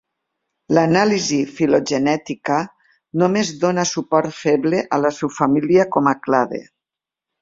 L'anàlisi filogenètica només dóna suport feble a la subfamília com a clade.